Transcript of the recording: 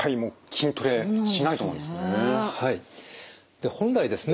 で本来ですね